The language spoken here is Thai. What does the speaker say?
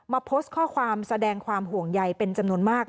โพสต์ข้อความแสดงความห่วงใยเป็นจำนวนมาก